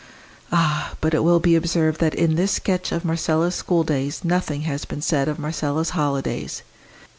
Ah! but it will be observed that in this sketch of Marcella's schooldays nothing has been said of Marcella's holidays.